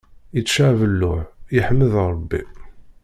Ičča abelluḍ, yeḥmed Ṛebbi.